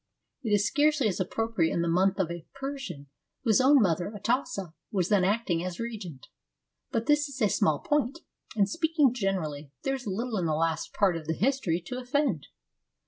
It is scarcely as appro priate in the mouth of a Persian whose own mother, Atossa, was then acting as regent. But this is a small point and, speaking generally, there is little in the last part of the History to offend.